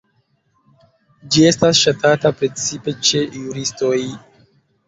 Ĝi estas ŝatata precipe ĉe juristoj.